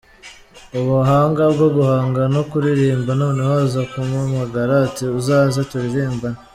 ubuhanga bwo guhanga no kuririmba noneho aza kumpamagara ati uzaze turirimbane.